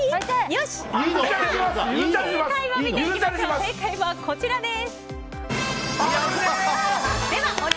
正解はこちらです！